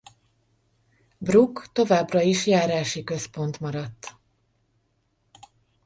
Bruck továbbra is járási központ maradt.